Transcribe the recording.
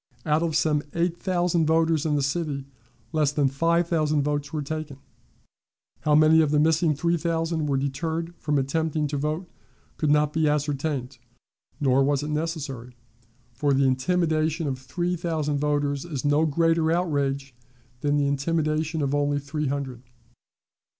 Out of some eight thousand voters in the city, less than five thousand votes were taken. How many of the missing three thousand were deterred from attempting to vote could not be ascertained, nor was it necessary, for the intimidation of three thousand voters is no greater outrage than the intimidation of only three hundred.